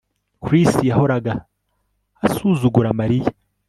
Chris yahoraga asuzugura Mariya